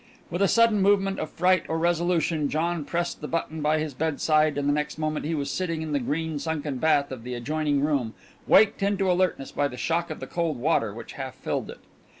With a sudden movement of fright or resolution John pressed the button by his bedside, and the next moment he was sitting in the green sunken bath of the adjoining room, waked into alertness by the shock of the cold water which half filled it.